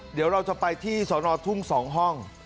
เดี๋ยวเราจะไปที่สอนอทุ่ง๒ห้อง